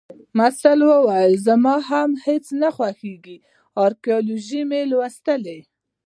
محصل وویل: زما هم هیڅ شی نه خوښیږي. ارکیالوجي مې لوستلې